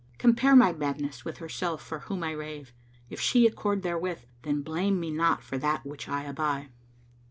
Compare my madness with herself for whom I rave; if she Accord therewith, then blame me not for that which I aby.'"